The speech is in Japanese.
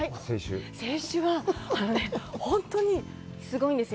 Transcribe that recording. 清酒は、本当にすごいんです。